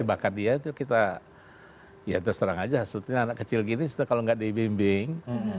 bakat dia itu kita ya terus terang aja sebetulnya anak kecil gini kalau nggak dibimbing